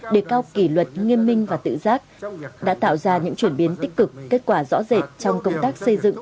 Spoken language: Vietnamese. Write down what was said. đề cao kỷ luật nghiêm minh và tự giác đã tạo ra những chuyển biến tích cực kết quả rõ rệt trong công tác xây dựng